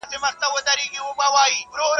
په هغه شتمنه ښځه باندي دا و منل چي